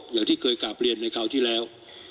อย่างที่เคยกราบเรียนในคราวที่แล้ว